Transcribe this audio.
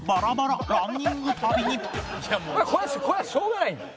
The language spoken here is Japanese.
まさかのこれはしょうがないんだよ。